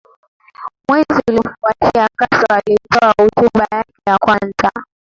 Mwezi uliofuatia Castro alitoa hotuba yake ya kwanza